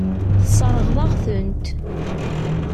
Tesseṛɣeḍ-aɣ-tent.